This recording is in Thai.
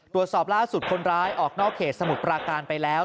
ตรวจสอบล่าสุดคนร้ายออกนอกเขตสมุทรปราการไปแล้ว